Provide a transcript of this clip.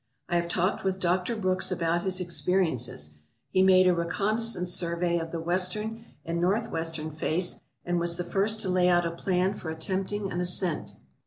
I have talked with Doctor Brooks about his experiences. He made a reconnaissance survey of the western and northwestern face and was the first to lay out a plan for attempting an ascent.